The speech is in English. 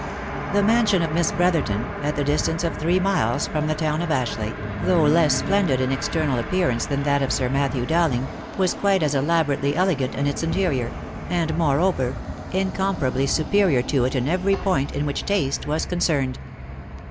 The mansion of Miss Brotherton, at the distance of three miles from the town of Ashleigh, though less splendid in external ap pearance than that of Sir Matthew Dowling, was quite as elabo rately elegant in its interior, and moreover, incomparably superior to it in every point in which taste was concerned.